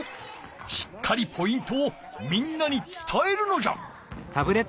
しっかりポイントをみんなにつたえるのじゃ。